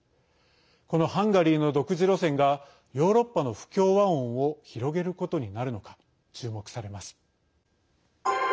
このハンガリーの独自路線がヨーロッパの不協和音を広げることになるのか注目されます。